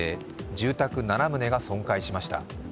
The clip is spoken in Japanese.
住宅７棟が損壊しました。